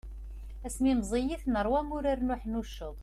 Asmi i meẓẓiyit, nerwa urar n uḥnucceḍ.